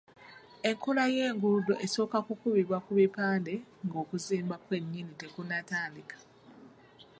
Enkula y'enguudo esooka kukubibwa ku bipande nga okuzimba kwe nnyini tekunnatandika.